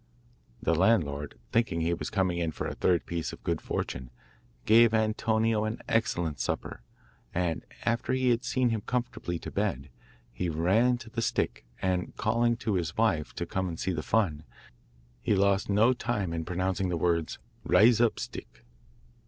The landlord, thinking he was coming in for a third piece of good fortune, gave Antonio an excellent supper; and after he had seen him comfortably to bed, he ran to the stick, and calling to his wife to come and see the fun, he lost no time in pronouncing the words 'Rise up, Stick.